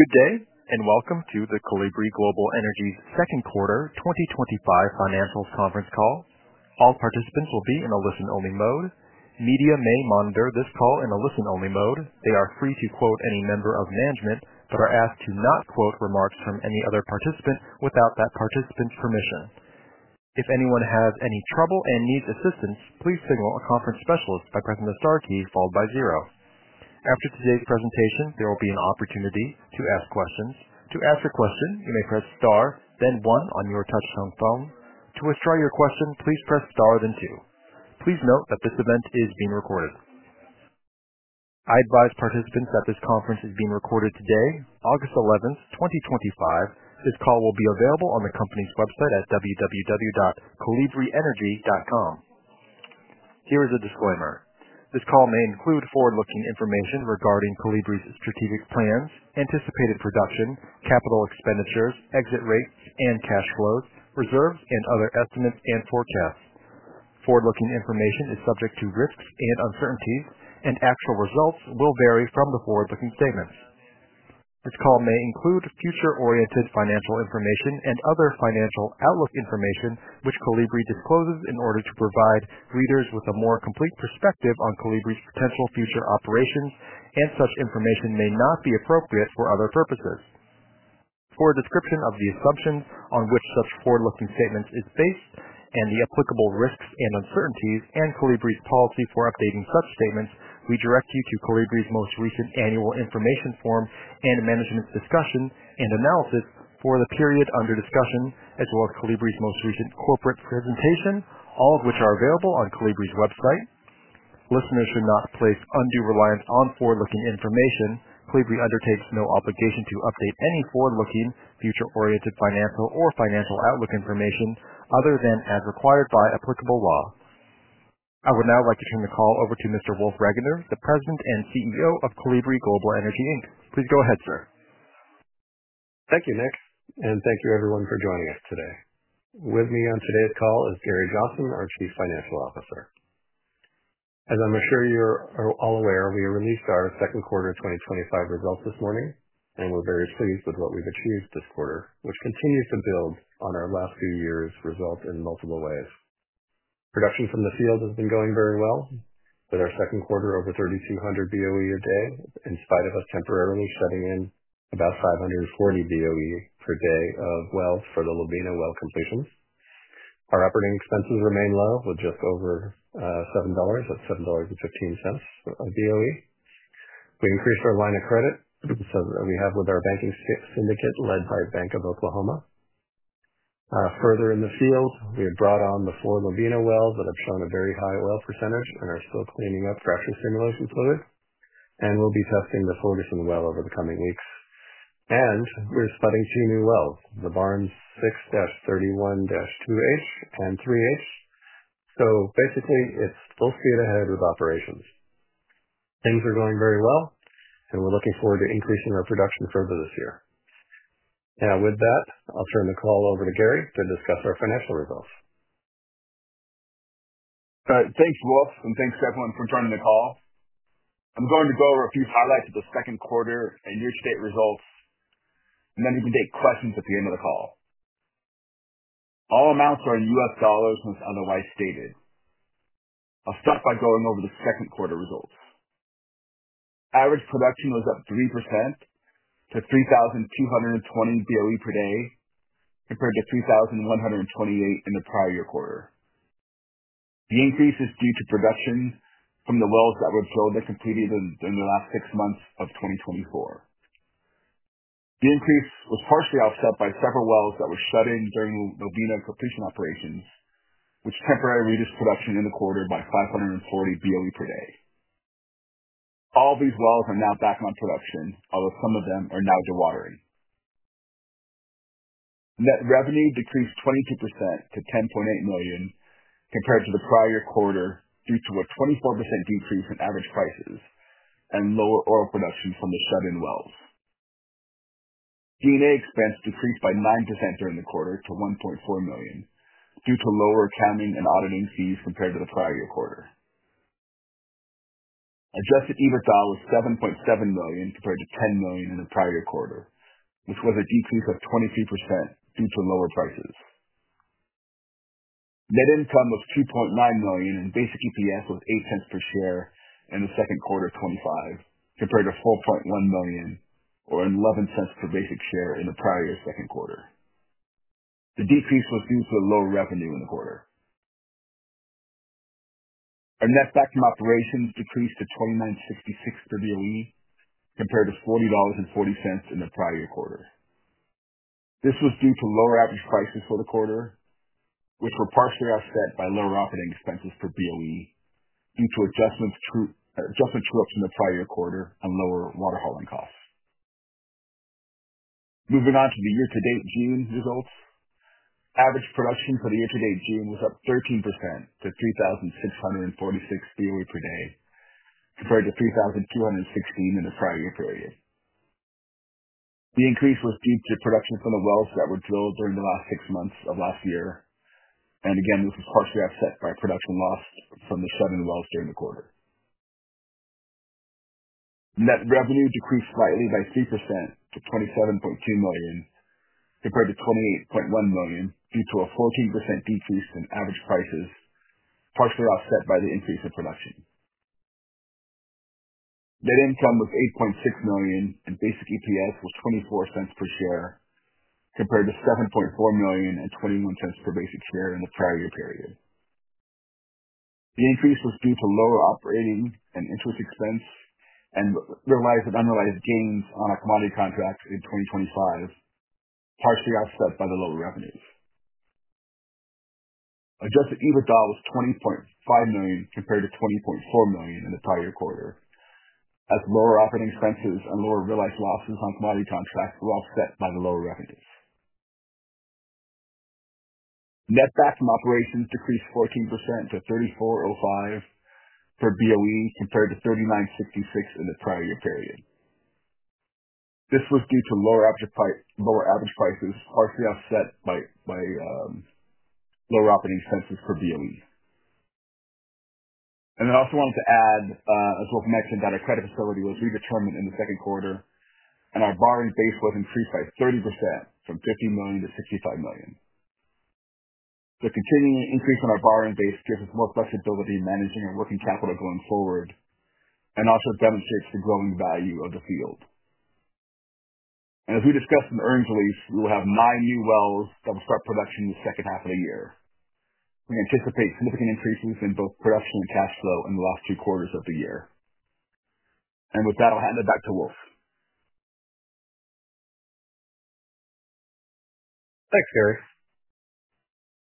Good day, and welcome to the Kolibri Global Energy's Second Quarter 2025 Financials Conference Call. All participants will be in a listen-only mode. Media may monitor this call in a listen-only mode. They are free to quote any member of management but are asked to not quote remarks from any other participant without that participant's permission. If anyone has any trouble and needs assistance, please signal a conference specialist by pressing the star key followed by zero. After today's presentation, there will be an opportunity to ask questions. To ask a question, you may press star, then one on your touch-tone phone. To withdraw your question, please press star, then two. Please note that this event is being recorded. I advise participants that this conference is being recorded today, August 11, 2025. This call will be available on the company's website at www.kolibrienergy.com. Here is a disclaimer. This call may include forward-looking information regarding Kolibri's strategic plans, anticipated production, capital expenditures, exit rates, and cash flows, reserves, and other estimates and forecasts. Forward-looking information is subject to risks and uncertainties, and actual results will vary from the forward-looking statements. This call may include future-oriented financial information and other financial outlook information which Kolibri discloses in order to provide readers with a more complete perspective on Kolibri's potential future operations, and such information may not be appropriate for other purposes. For a description of the assumption on which such forward-looking statements are based and the applicable risks and uncertainties and Kolibri's policy for updating such statements, we direct you to Kolibri's most recent annual information form and management's discussion and analysis for the period under discussion, as well as Kolibri's most recent corporate presentation, all of which are available on Kolibri's website. Listeners should not place undue reliance on forward-looking information. Kolibri undertakes no obligation to update any forward-looking, future-oriented financial or financial outlook information other than as required by applicable law. I would now like to turn the call over to Mr. Wolf Regener, the President and CEO of Kolibri Global Energy Please go ahead, sir. Thank you, Nick, and thank you everyone for joining us today. With me on today's call is Gary Johnson, our Chief Financial Officer. As I'm sure you're all aware, we released our second quarter 2025 results this morning, and we're very pleased with what we've achieved this quarter, which continues to build on our last few years' results in multiple ways. Production from the field has been going very well with our second quarter, over $3,200 BOE a day, in spite of us temporarily shutting in about $540 BOE per day of wells for the Lobina well completions. Our operating expenses remain low with just over $7, that's $7.15 a BOE. We increased our line of credit, which is something that we have with our banking syndicate, Heartland Bank of Oklahoma. Further in the field, we have brought on the four Lobina wells that have shown a very high well percentage and are still cleaning up drafting stimulus employees, and we'll be testing the Ferguson well over the coming weeks. We are starting two new wells, the Barnes 6-31-2A and 3A. Basically, it's full speed ahead with operations. Things are going very well, and we're looking forward to increasing our production further this year. Now, with that, I'll turn the call over to Gary to discuss our financial results. All right. Thanks, Wolf, and thanks, everyone, for joining the call. I'm going to go over a few highlights of the second quarter and year-to-date results, and then you can take questions at the end of the call. All amounts are in US dollars unless otherwise stated. I'll start by going over the second quarter results. Average daily production was up 3% to $3,220 BOE per day compared to $3,128 in the prior year quarter. The increase is due to production from the wells that were recently completed in the last six months of 2024. The increase was partially offset by several wells that were shut-in during Lobina well completions operations, which temporarily reduced production in the quarter by $540 BOE per day. All these wells are now back on production, although some of them are now dewatering. Net revenue decreased 22% to $10.8 million compared to the prior year quarter due to a 24% decrease in average realized prices and lower oil production from the shut-in wells. D&A expense decreased by 9% during the quarter to $1.4 million due to lower accounting and auditing fees compared to the prior year quarter. Adjusted EBITDA was $7.7 million compared to $10 million in the prior year quarter, which was a decrease of 23% due to lower prices. Net income was $2.9 million and basic EPS was $0.08 per share in the second quarter of 2024, compared to $4.1 million or $0.11 per basic share in the prior year's second quarter. The decrease was due to lower revenue in the quarter. Our netback from operations decreased to $29.66 per BOE compared to $40.40 in the prior year quarter. This was due to lower average realized prices for the quarter, which were partially offset by lower operating expenses per BOE due to adjustment tools in the prior year quarter and lower water hauling costs. Moving on to the year-to-date June results, average daily production for the year-to-date June was up 13% to $3,646 BOE per day compared to $3,216 in the prior year period. The increase was due to production from the wells that were drilled during the last six months of last year, and again, this was partially offset by production loss from the shut-in wells during the quarter. Net revenue decreased slightly by 3% to $27.2 million compared to $28.1 million due to a 14% decrease from average realized prices, partially offset by the increase in production. Net income was $8.6 million and basic EPS was $0.24 per share compared to $7.4 million and $0.21 per basic share in the prior year period. The increase was due to lower operating and interest expense and realized and unrealized gains on our commodity contracts in 2025, partially offset by the lower revenues. Adjusted EBITDA was $20.5 million compared to $20.4 million in the prior quarter, as lower operating expenses and lower realized losses on commodity contracts were offset by the lower revenues. Net back from operations decreased 14% to $34.05 per BOE compared to $39.66 in the prior year period. This was due to lower average prices, partially offset by lower operating expenses per BOE. I also wanted to add, as Wolf mentioned, that our credit authority will redetermine in the second quarter, and our borrowing base was increased by 30% from $50 million to $65 million. The continuing increase in our borrowing base gives us more flexibility in managing our working capital going forward and also demonstrates the growing value of the field. As we discussed in earnings, we will have nine new wells that will start production in the second half of the year. We anticipate significant increases in both production and cash flow in the last two quarters of the year. With that, I'll hand it back to Wolf. Thanks, Gary.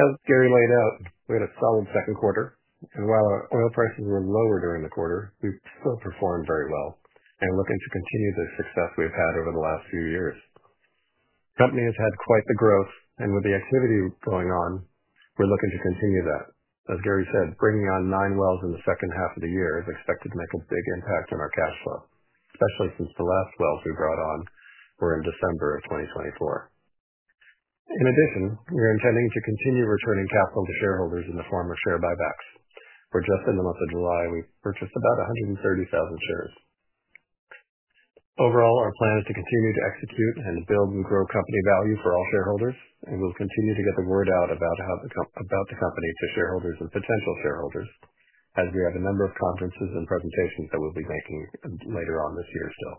As Gary laid out, we had a solid second quarter. While our oil prices were lower during the quarter, we've still performed very well and are looking to continue the success we've had over the last few years. The company has had quite the growth, and with the activity going on, we're looking to continue that. As Gary said, bringing on nine wells in the second half of the year, as expected, might have a big impact on our cash flow, especially since the last wells we brought on were in December of 2024. In addition, we are intending to continue recurring capital to shareholders in the form of share buybacks. We're just in the month of July. We purchased about $130,000 shares. Overall, our plan is to continue to execute and build and grow company value for all shareholders, and we'll continue to get the word out about how the company for shareholders and potential shareholders, as we have a number of conferences and presentations that we'll be making later on this year still.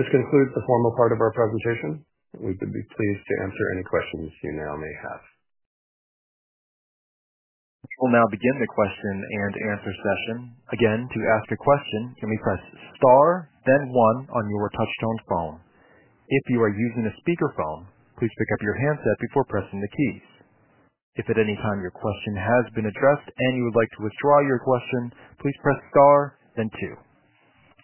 This concludes the formal part of our presentation. We'd be pleased to answer any questions you now may have. We'll now begin the question and answer session. Again, to ask a question, you may press star, then one on your touch-tone phone. If you are using a speaker phone, please pick up your handset before pressing the keys. If at any time your question has been addressed and you would like to withdraw your question, please press star, then two.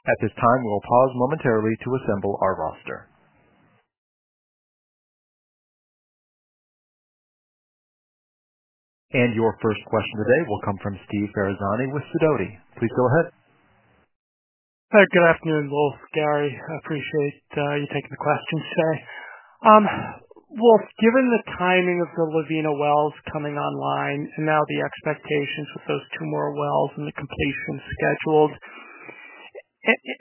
At this time, we will pause momentarily to assemble our roster. Your first question today will come from Steve Ferazani with Sidoti. Please go ahead. All right. Good afternoon, Wolf, Gary. I appreciate, Gary, you taking the questions today. Wolf, given the timing of the Lobina wells coming online and now the expectations that those two more wells and the completion scheduled,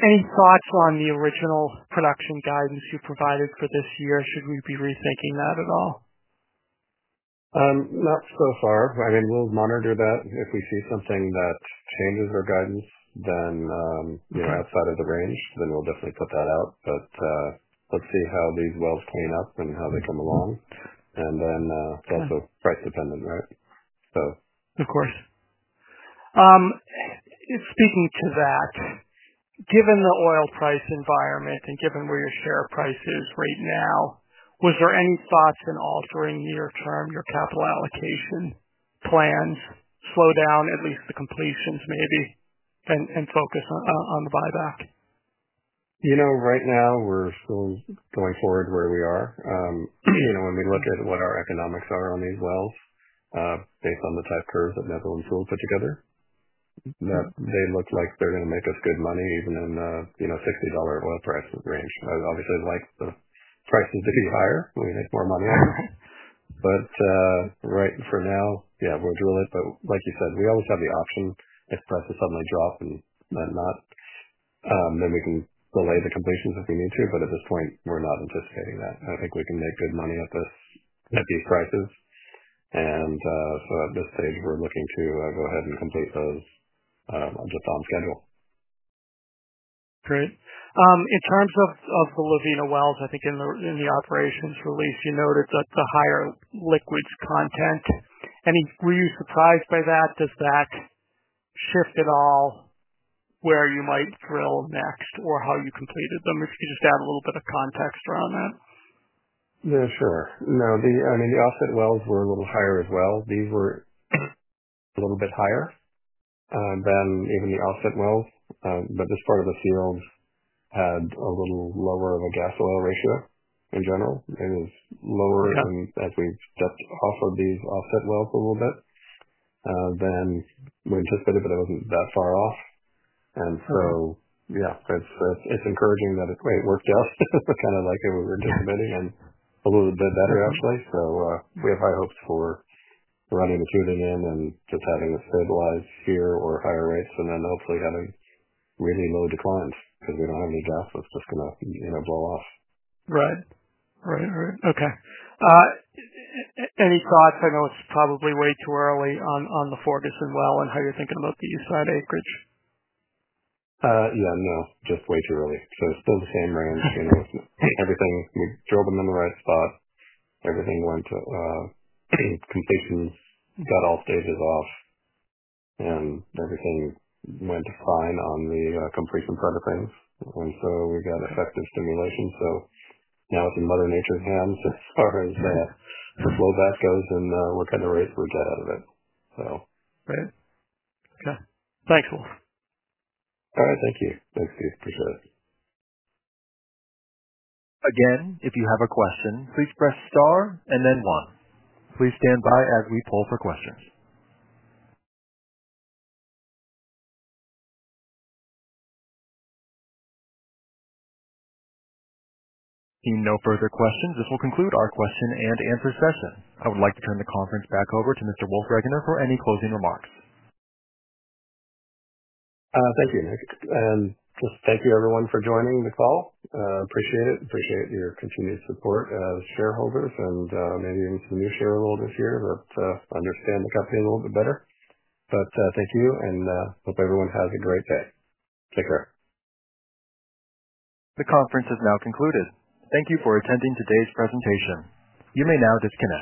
any thoughts on the original production guidance you provided for this year? Should we be rethinking that at all? Not so far, but I mean, we'll monitor that. If we see something that changes our guidance, you know, outside of the range, then we'll definitely put that out. Let's see how these wells clean up and how they come along. It's also price-dependent, right? Of course. Speaking to that, given the oil price environment and given where your share price is right now, was there any thoughts in altering your term, your capital allocation plans, slow down at least the completions maybe, and focus on the buyback? You know. Right now, we're still going forward where we are. You know, when we look at what our economics are on these wells, based on the type of curves that Nedlow and Sewell put together, they look like they're going to make us good money even in the $60 oil price range. I obviously like the prices to be higher. We make more money there. For now, yeah, we'll do it. Like you said, we always have the option if prices suddenly drop and not, then we can delay the completions if we need to. At this point, we're not anticipating that. I think we can make good money at these prices. At this stage, we're looking to go ahead and complete those just on schedule. Great. In terms of the Lobina wells, I think in the operations release, you noted the higher liquids content. Were you surprised by that? Does that shift at all where you might drill next or how you completed them? If you could just add a little bit of context around that. Yeah, sure. The offset wells were a little higher as well. These were a little bit higher than even the offset wells. This part of the field had a little lower of a gas oil ratio in general. It was lower than as we just offset these offset wells a little bit. We anticipated that it wasn't that far off. It's encouraging that it worked out kind of like it was anticipating and a little bit better, actually. We have high hopes for running this new thing in and just having a stabilized share or higher rates and hopefully having really low declines because we don't have any gas that's just going to blow off. Okay. Any thoughts? I know it's probably way too early on the Ferguson well and how you're thinking about the east side acreage. Yeah, no, just way too early. It's still the same range. Everything drilled them in the right spot. Everything went to completions, got all stages off, and everything went fine on the completion part of things. We got effective stimulation. Now it's in Mother Nature's hands as far as the blowback goes, and we're kind of ready for a go out of it. Great. Yeah, thanks, Wolf. All right. Thank you. Thanks, Steve. Appreciate it. Again, if you have a question, please press star and then one. Please stand by as we poll for questions. Seeing no further questions, this will conclude our question and answer session. I would like to turn the conference back over to Mr. Wolf Regener for any closing remarks. Thank you, Nick. Thank you, everyone, for joining the call. Appreciate it. Appreciate your continued support of shareholders and maybe even some new shareholders here to understand the company a little bit better. Thank you, and hope everyone has a great day. Take care. The conference is now concluded. Thank you for attending today's presentation. You may now disconnect.